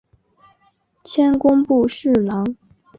迁工部侍郎。